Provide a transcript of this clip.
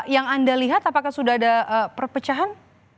yang anda lihat apakah sudah ada perpecahan